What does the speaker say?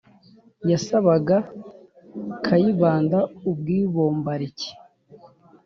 byasabaga kayibanda ubwibombalike.